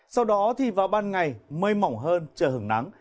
sau đó thì vào ban ngày mây mỏng hơn trời hứng nắng